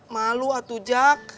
malu atuh jak